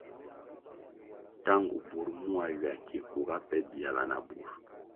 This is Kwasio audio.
Tangu bur muá ywa ki kuga pe biala na bur.